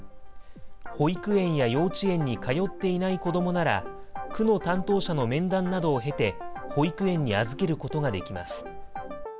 保育園や幼稚園に通っていない子どもなら、区の担当者の面談などを経て、保育園に預けることができます。